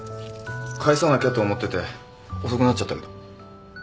返さなきゃと思ってて遅くなっちゃったけど。